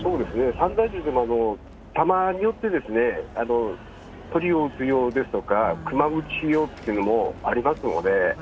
散弾銃でも弾によって、鳥を撃つ用ですとか、クマ撃ち用っていうのもありますので。